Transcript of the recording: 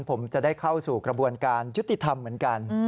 ผมจะได้เข้าสู่กระบวนการยุติธรรมเหมือนกัน